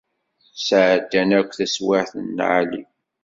Sεeddan akk taswiεt n lεali.